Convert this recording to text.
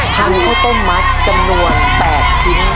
ทางนี้เขาต้มมัสจำนวน๘ชิ้น